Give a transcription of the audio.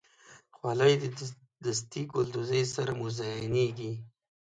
خولۍ د دستي ګلدوزۍ سره مزینېږي.